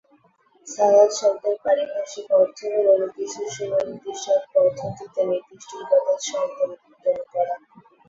সালাত শব্দের পারিভাষিক অর্থ হলো নির্দিষ্ট সময়ে নির্দিষ্ট পদ্ধতিতে নির্দিষ্ট ইবাদত সম্পাদন করা।